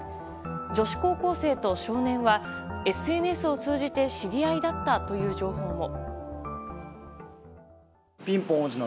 女子高校生と少年はＳＮＳを通じて知り合いだったという情報も。